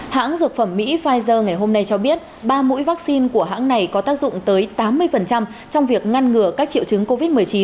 hãng dược phẩm mỹ pfizer ngày hôm nay cho biết ba mũi vaccine của hãng này có tác dụng tới tám mươi trong việc ngăn ngừa các triệu chứng covid một mươi chín